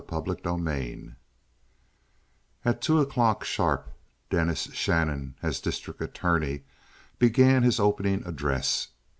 Chapter XLI At two o'clock sharp Dennis Shannon, as district attorney, began his opening address.